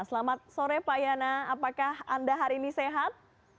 selamat sore pak yana apakah anda hari ini sehat